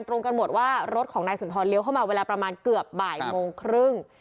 ตรงกันหมดว่ารถของนายสุนทรเลี้ยวเข้ามาเวลาประมาณเกือบบ่ายโมงครึ่ง